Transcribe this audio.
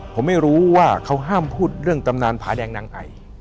ผมไม่รู้ว่าเขาห้ามพูดเรื่องตำนานผาแดงนางไอ